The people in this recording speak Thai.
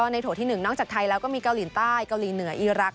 โถที่๑นอกจากไทยแล้วก็มีเกาหลีใต้เกาหลีเหนืออีรักษ